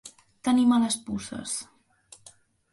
Tenir males puces.